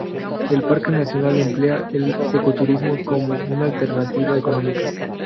El Parque nacional emplea el ecoturismo como una alternativa económica.